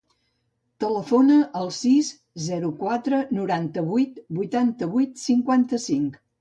Telefona al sis, zero, quatre, noranta-vuit, vuitanta-vuit, cinquanta-cinc.